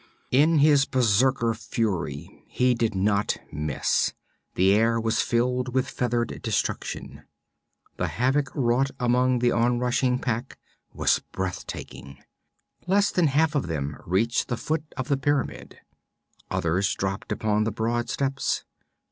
In his berserk fury he did not miss; the air was filled with feathered destruction. The havoc wrought among the onrushing pack was breathtaking. Less than half of them reached the foot of the pyramid. Others dropped upon the broad steps.